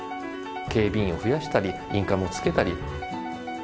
警備員を増やしたり、インカムをつけたり。